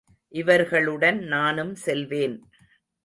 இவர்களுடன் நானும் செல்வேன்.